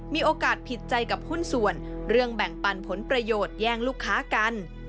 มีโอกาสผิดใจกับหุ้นส่วนเรื่องแบ่งปันผลประโยชน์แย่งลูกค้ากัน